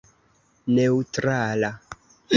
neŭtrala